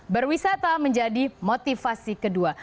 berwisata menjadi motivasi kedua